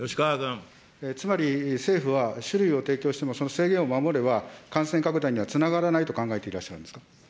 つまり政府は、酒類を提供しても、その制限を守れば、感染拡大にはつながらないと考えていら